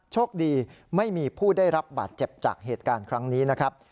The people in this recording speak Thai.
โชคดีไม่มีผู้ได้รับบาดเจ็บจากเหตุการณ์ครั้งนี้นะครับ